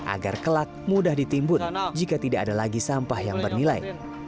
agar kelak mudah ditimbun jika tidak ada lagi sampah yang bernilai